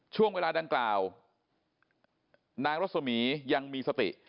ช่วงเวลาดังกล่าวนางรสมียังมีสติ